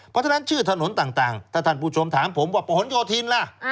เพราะฉะนั้นชื่อถนนต่างถ้าท่านผู้ชมถามผมว่าประหลโยธินล่ะ